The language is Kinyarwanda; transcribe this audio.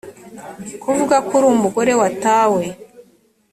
kuvuga ko uri umugore watawe